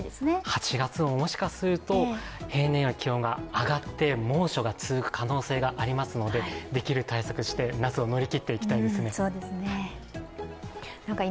８月ももしかすると平年より気温が上がって猛暑が続く可能性がありますのでできる対策として夏を乗り切っていきたいですね。